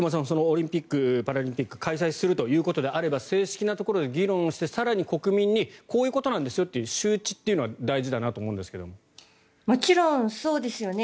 オリンピック・パラリンピック開催するというところであれば正式なところで議論をして更に国民にこういうことなんですよというもちろんそうですよね。